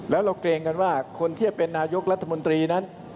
แล้วเราเกรงกันว่าคนที่จะเป็นนายกรัฐมนตรีนั้น